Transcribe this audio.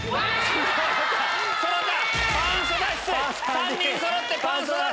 ３人そろってパンスト脱出！